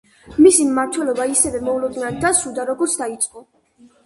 მისი მმართველობა ისევე მოულოდნელად დასრულდა როგორც დაიწყო.